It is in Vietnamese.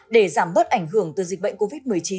để giảm bớt ảnh hưởng từ dịch bệnh covid một mươi chín